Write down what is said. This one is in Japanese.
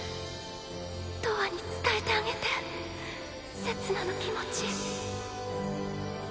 とわに伝えてあげてせつなの気持ち。